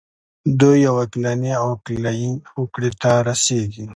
دوی یوې عقلاني او عقلایي هوکړې ته رسیږي.